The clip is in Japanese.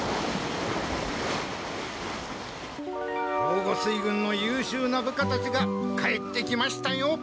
兵庫水軍のゆうしゅうな部下たちが帰ってきましたよ。